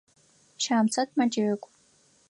Щамсэт мэджэгу.